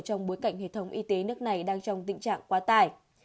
trong bối cảnh hệ thống y tế nước này đang trong tình trạng quá tải